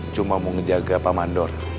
cuma mau ngejaga pak mandor